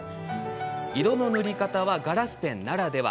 色の塗り方はガラスペンならでは。